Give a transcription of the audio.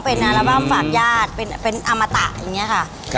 เป็นอัลบั้มฝากญาติเป็นอมตะอย่างนี้ค่ะ